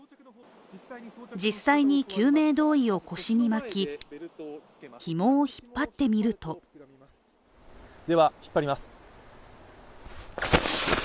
実際に救命胴衣を腰に巻き、ひもを引っ張ってみるとでは、引っ張ります。